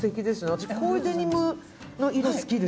私こういうデニムの色好きです。